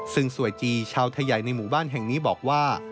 ซึ่งสวยจีชาวไทยใหญ่ในหมู่บ้านแห่งนี้บอกว่า